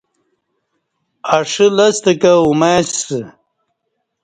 اݜہ لستہ کہ اومئیسہ۔